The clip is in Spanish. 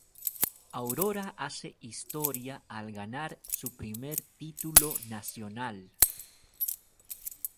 Aurora hace historia al ganar su primer título nacional.